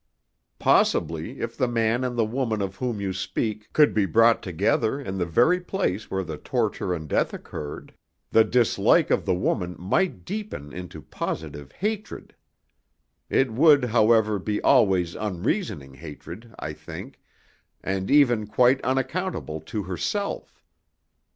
Possibly, if the man and the woman of whom you speak could be brought together in the very place where the torture arid death occurred, the dislike of the woman might deepen into positive hatred. It would, however, be always unreasoning hatred, I think, and even quite unaccountable to herself.